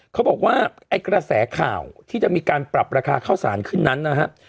เขาบอกว่าเนี่ยกระแสข่าวที่จะมีการปรับราคาข้าวสารคนนั้นน่ะครับ